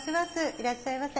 いらっしゃいませ。